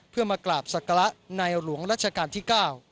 เพื่อมากราบศักระในหลวงรัชกาลที่๙